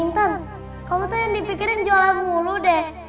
intan kamu tuh yang dipikirin jualan mulu deh